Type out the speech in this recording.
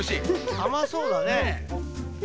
あまそうだね。